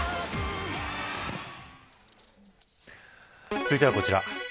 続いては、こちら。